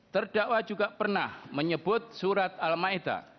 terdakwa juga pernah menyebut surat al ma'idah